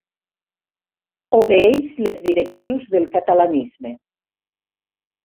Obeeix les directrius del catalanisme.